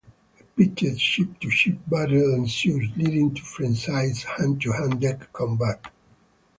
A pitched ship-to-ship battle ensues, leading to frenzied hand-to-hand deck combat.